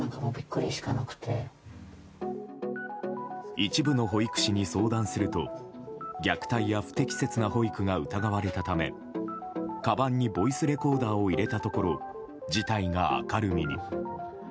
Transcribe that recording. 一部の保育士に相談すると虐待や不適切な保育が疑われたためかばんにボイスレコーダーを入れたところ事態が明るみに。